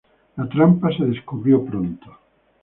La trampa se descubrió pronto.